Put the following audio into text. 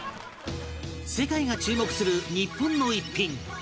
世界が注目する日本の逸品